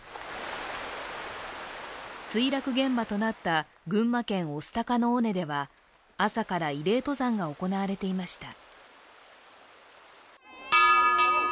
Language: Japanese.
墜落現場となった群馬県御巣鷹の尾根では朝から、慰霊登山が行われていました。